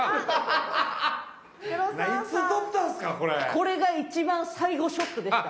これが一番最後ショットでした。